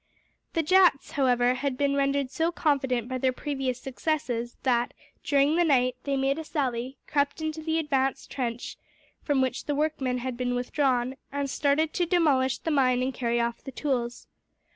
The Jats, however, had been rendered so confident by their previous successes that, during the night, they made a sally, crept into the advanced trench from which the workmen had been withdrawn and started to demolish the mine and carry off the tools.